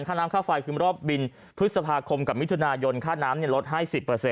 ค่าน้ำค่าไฟคือรอบบินพฤษภาคมกับมิถุนายนค่าน้ำลดให้๑๐